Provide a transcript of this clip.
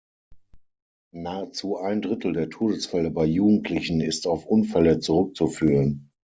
Nahezu ein Drittel der Todesfälle bei Jugendlichen ist auf Unfälle zurückzuführen.